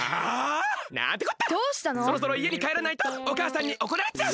そろそろいえにかえらないとおかあさんにおこられちゃう！